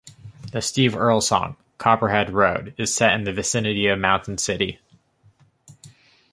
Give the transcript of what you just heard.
The Steve Earle song "Copperhead Road" is set in the vicinity of Mountain City.